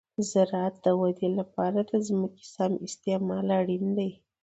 د زراعت د ودې لپاره د ځمکې سم استعمال اړین دی.